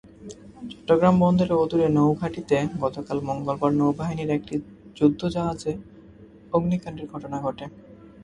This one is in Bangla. চট্টগ্রাম বন্দরের অদূরে নৌঘাঁটিতে গতকাল মঙ্গলবার নৌবাহিনীর একটি যুদ্ধজাহাজে অগ্নিকাণ্ডের ঘটনা ঘটে।